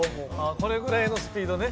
これぐらいのスピードね。